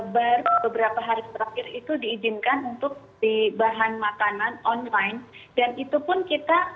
baru beberapa hari terakhir itu diizinkan untuk di bahan makanan online dan itu pun kita